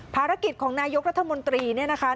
ภารกิจของนายกรัฐมนตรีเนี่ยนะคะ